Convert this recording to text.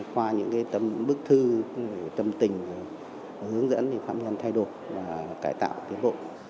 qua những bức thư tâm tình hướng dẫn phạm nhân thay đổi và cải tạo tiến bộ